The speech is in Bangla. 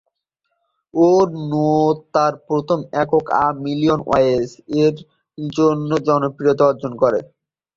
ও নো তার প্রথম একক, "আ মিলিয়ন ওয়েজ" এর জন্য জনপ্রিয়তা অর্জন করে।